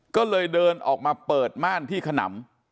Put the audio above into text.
ก็เลยเดินออกมาเปิดม่านที่ขนำ